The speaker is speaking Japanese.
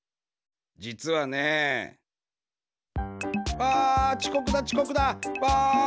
じつはね。わちこくだちこくだ！わ！